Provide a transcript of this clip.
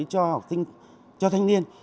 cho học sinh cho thanh niên